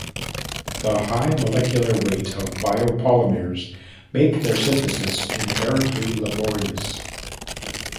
The high molecular weight of biopolymers make their synthesis inherently laborious.